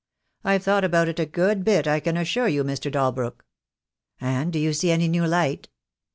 I've thought about it a good bit, I can assure you, Mr. Dal • brook." "And do you see any new light?"